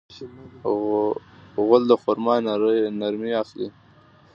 غول د خرما نرمي اخلي.